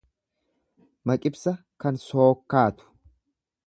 Maqibsa kan sookkaatu.